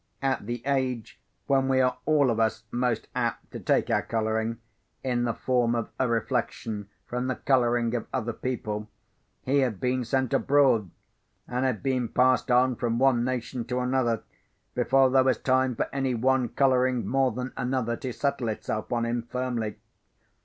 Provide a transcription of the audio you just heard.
At the age when we are all of us most apt to take our colouring, in the form of a reflection from the colouring of other people, he had been sent abroad, and had been passed on from one nation to another, before there was time for anyone colouring more than another to settle itself on him firmly.